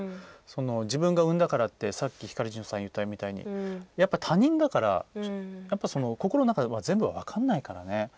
自分が産んだからってひかりんちょさんが言ったみたいにやっぱり他人だから心の中全部は分からないからね。